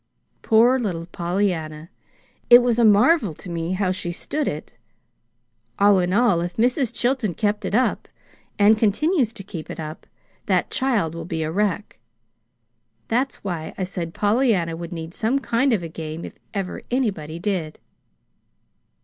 Poor little Pollyanna! It was a marvel to me how she stood it. All is, if Mrs. Chilton kept it up, and continues to keep it up, that child will be a wreck. That's why I said Pollyanna would need some kind of a game if ever anybody did."